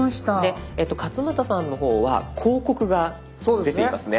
勝俣さんの方は広告が出ていますね。